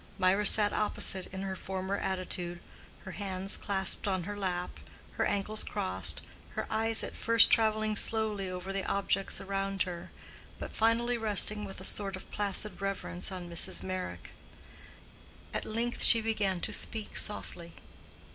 Mirah sat opposite in her former attitude, her hands clasped on her lap, her ankles crossed, her eyes at first traveling slowly over the objects around her, but finally resting with a sort of placid reverence on Mrs. Meyrick. At length she began to speak softly.